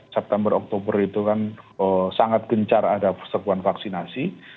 september oktober itu kan sangat gencar ada persekuan vaksinasi